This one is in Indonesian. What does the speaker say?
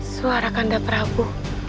suara kandap prabu